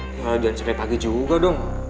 ya jangan sampe pagi juga dong